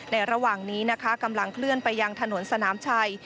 ระหว่างนี้นะคะกำลังเคลื่อนไปยังถนนสนามชัย